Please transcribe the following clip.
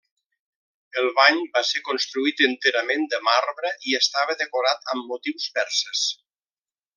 El bany va ser construït enterament de marbre i estava decorat amb motius perses.